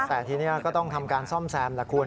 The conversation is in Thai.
แต่ทีนี้ก็ต้องทำการซ่อมแซมแหละคุณ